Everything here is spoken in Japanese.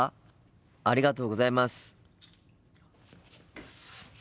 ありがとうございます。